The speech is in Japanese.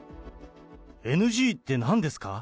ＮＧってなんですか。